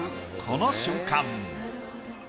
この瞬間。